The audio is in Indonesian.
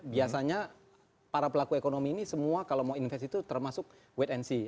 biasanya para pelaku ekonomi ini semua kalau mau investasi itu termasuk wait and see